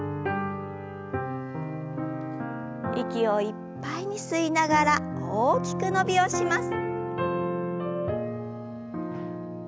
息をいっぱいに吸いながら大きく伸びをします。